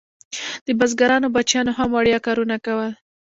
د بزګرانو بچیانو هم وړیا کارونه کول.